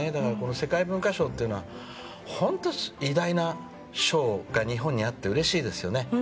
世界文化賞というのは本当に偉大な賞が日本にあってうれしいですよね。